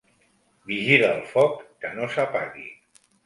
Vigila el foc, que no s'apagui.